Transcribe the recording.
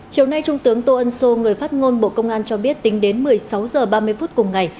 chiều nay trung tướng tô ân sô người phát ngôn bộ công an cho biết tính đến một mươi sáu h ba mươi phút cùng ngày